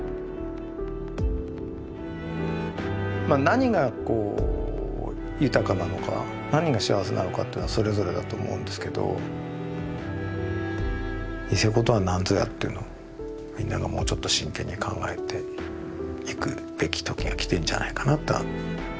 何が豊かなのか何が幸せなのかっていうのはそれぞれだと思うんですけどニセコとは何ぞやっていうのをみんながもうちょっと真剣に考えていくべき時が来てるんじゃないかなとは。